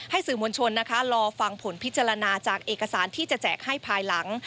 สื่อมวลชนนะคะรอฟังผลพิจารณาจากเอกสารที่จะแจกให้ภายหลัง